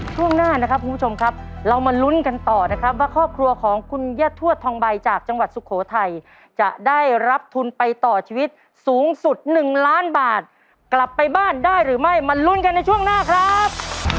ช่วงหน้านะครับคุณผู้ชมครับเรามาลุ้นกันต่อนะครับว่าครอบครัวของคุณย่าทวดทองใบจากจังหวัดสุโขทัยจะได้รับทุนไปต่อชีวิตสูงสุด๑ล้านบาทกลับไปบ้านได้หรือไม่มาลุ้นกันในช่วงหน้าครับ